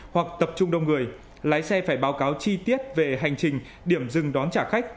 hoặc tập trung đông người lái xe phải báo cáo chi tiết về hành trình điểm dừng đón trả khách